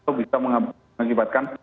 sampai sekarang itu bisa mengakibatkan